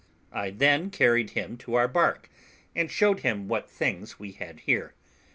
I then carried him to our bark, and showed him what things we had here.